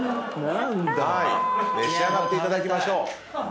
召し上がっていただきましょう。